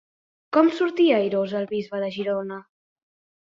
Com sortí airós el bisbe de Girona?